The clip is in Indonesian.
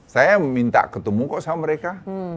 saya minta ketemu kok sama mereka